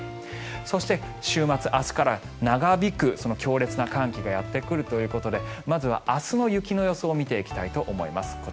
そして週末、明日から長引く強烈な寒気がやってくるということでまずは明日の雪の予想を見ていきたいと思います。